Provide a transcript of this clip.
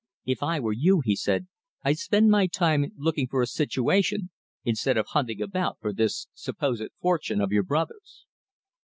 "If I were you," he said, "I'd spend my time looking for a situation, instead of hunting about for this supposed fortune of your brother's."